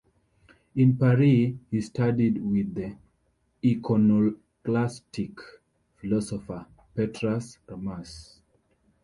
In Paris he studied with the iconoclastic philosopher Petrus Ramus.